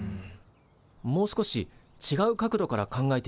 もう少しちがう角度から考えてみるのはどう？